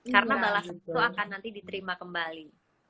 karena balas itu akan nanti diterima kembali